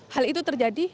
hal itu terjadi